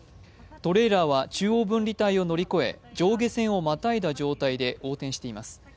トレーラーは中央分離帯を乗り越え、上下線をまたいだ状態で横転しています。